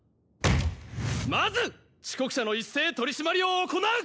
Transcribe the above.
まず遅刻者の一斉取り締まりを行う！